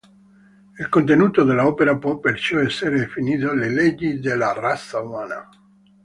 Il contenuto dell'opera può perciò essere definito "le leggi della razza umana".